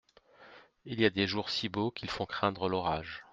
Il y a des jours si beaux qu'ils font craindre l'orage.